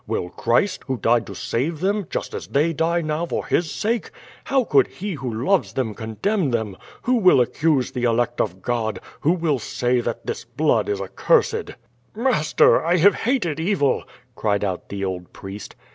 Will Christ, who died to save them, just as they die now for His sake? ' How could He who 438 QUO VADI8. loves them condemn them? Who will accuse the elect o£ God? Who will say that this blood is accursed?'' "Master, 1 have liated evil!'' cried out the old priest.